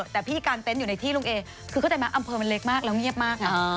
แต่พี่กางเต็นต์อยู่ในที่ลุงเอคือเข้าใจไหมอำเภอมันเล็กมากแล้วเงียบมากนะ